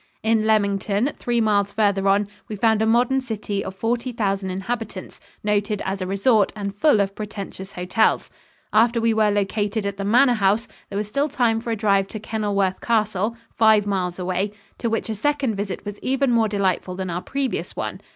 In Leamington, three miles farther on, we found a modern city of forty thousand inhabitants, noted as a resort and full of pretentious hotels. After we were located at the Manor House there was still time for a drive to Kenilworth Castle, five miles away, to which a second visit was even more delightful than our previous one.